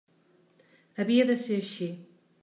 Havia de ser així.